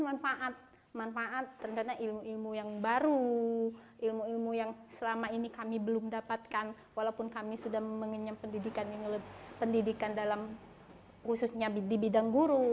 manfaat manfaat ternyata ilmu ilmu yang baru ilmu ilmu yang selama ini kami belum dapatkan walaupun kami sudah mengenyam pendidikan ilmu pendidikan dalam khususnya di bidang guru